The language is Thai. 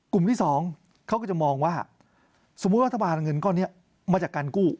กลุ่มที่๒เขาก็จะมองว่าสมมุติว่าอธบาลเงินก้อนนี้มาจากการกู้